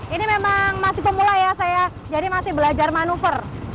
ini memang masih pemula ya saya jadi masih belajar manuver